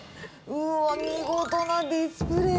うわー、見事なディスプレー。